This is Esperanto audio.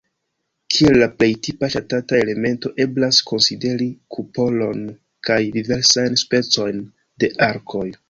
Kiel la plej tipa ŝatata elemento eblas konsideri kupolon kaj diversajn specojn de arkoj.